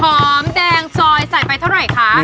หอมแดงซอยใส่ไปเท่าไหร่คะ